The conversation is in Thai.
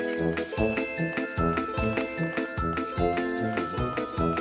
สอง